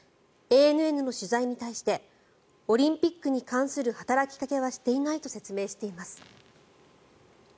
ＡＮＮの取材に対してオリンピックに関する働きかけはしていないと説明しています。